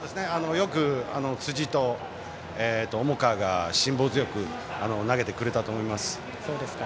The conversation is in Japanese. よく辻と重川が辛抱強く投げてくれたと思います。